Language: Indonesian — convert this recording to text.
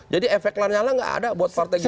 jadi efek lanyalah gak ada buat partai giri